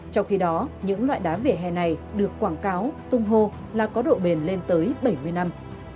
trong khi đó những loại đá vỉa hè này được quảng cáo tung hô là có độ bền lên tới bảy mươi năm